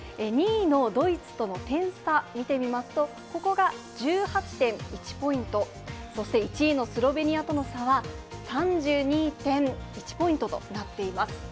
２位のドイツとの点差見てみますと、ここが１８．１ポイント、そして１位のスロベニアとの差は３２．１ポイントとなっています。